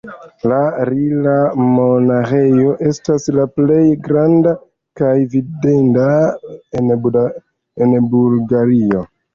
La Rila-monaĥejo estas la plej granda kaj vidinda en Bulgario.